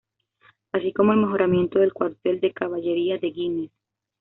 Así como el mejoramiento del Cuartel de Caballería de Güines.